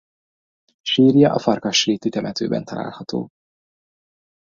Sírja a Farkasréti temetőben található.